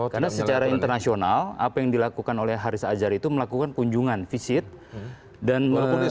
karena secara internasional apa yang dilakukan oleh haris azhar itu melakukan kunjungan visit dan